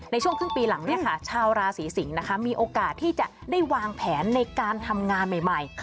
ในช่วงครึ่งปีหลังชาวราศีสิงศ์นะคะมีโอกาสที่จะได้วางแผนในการทำงานใหม่